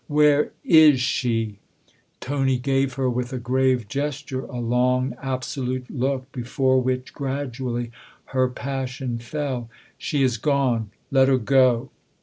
" Where is she ?" Tony gave her, with a grave gesture, a long, absolute look before which, gradually, her passion fell. " She has gone. Let her go."